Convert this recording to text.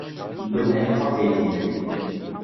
Gunehê xwe pê tînin.